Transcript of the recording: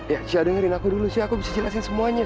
ya saya dengerin aku dulu sih aku bisa jelasin semuanya